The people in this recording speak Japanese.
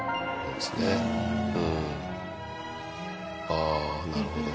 ああなるほど。